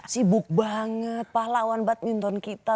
sibuk banget pahlawan badminton kita